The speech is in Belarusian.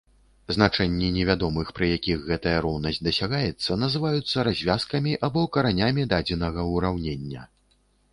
Значэнні невядомых, пры якіх гэтая роўнасць дасягаецца, называюцца развязкамі або каранямі дадзенага ўраўнення.